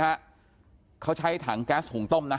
อยู่ดีมาตายแบบเปลือยคาห้องน้ำได้ยังไง